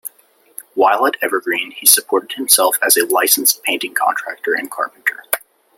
While at Evergreen, he supported himself as a licensed painting contractor and carpenter.